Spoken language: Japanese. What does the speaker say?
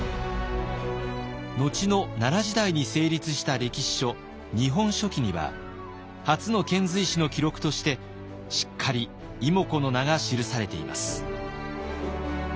後の奈良時代に成立した歴史書「日本書紀」には初の遣隋使の記録としてしっかり妹子の名が記されています。